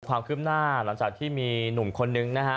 ความคืบหน้าหลังจากที่มีหนุ่มคนนึงนะฮะ